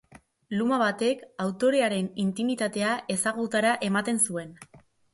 Luma batek autorearen intimitatea ezagutara ematen zuen.